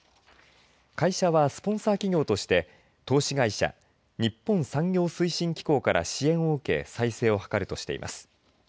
会社は、スポンサー企業として投資会社、日本産業推進機構から支援を受け再生を図るとしています。